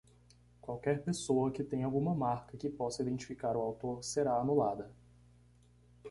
Qualquer pessoa que tenha alguma marca que possa identificar o autor será anulada.